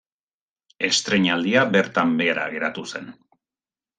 Estreinaldia bertan behera geratu zen.